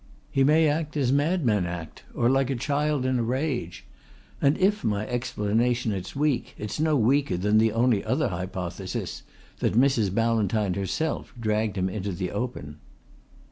He may act as madmen act, or like a child in a rage. And if my explanation is weak it's no weaker than the only other hypothesis: that Mrs. Ballantyne herself dragged him into the open."